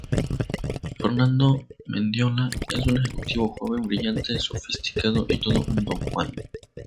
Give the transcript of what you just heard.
Fernando Mendiola es un ejecutivo joven, brillante, sofisticado y todo un "Don Juan".